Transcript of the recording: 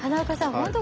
本当